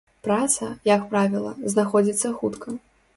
Праца, як правіла, знаходзіцца хутка.